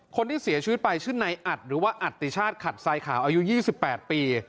คนที่เสียชีวิตไปชื่อในอัดหรือว่าอัตติชาติขัดทรายขาวอายุ๒๘ปี